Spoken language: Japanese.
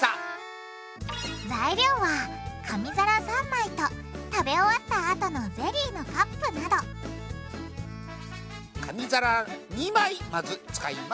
材料は紙皿３枚と食べ終わったあとのゼリーのカップなど紙皿２枚まず使います。